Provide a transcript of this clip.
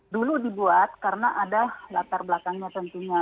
dulu dibuat karena ada latar belakangnya tentunya